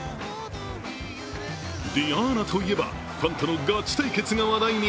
ｄｉａｎａといえば、ファンとのガチ対決が話題に。